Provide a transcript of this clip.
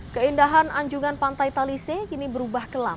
keindahan anjungan pantai talise kini berubah kelam